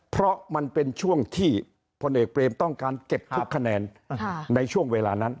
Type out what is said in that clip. เพราะมันเป็นช่วงที่พลเอกเบรมต้องการเก็บทุกคะแนนในช่วงเวลานั้น